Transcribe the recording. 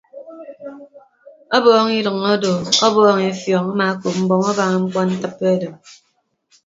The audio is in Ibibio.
Ọbọọñ idʌñ odo ọbọọñ efiọñ amaakop mbọm abaña mkpọntịppe odo.